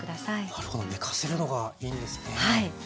なるほど寝かせるのがいいんですね。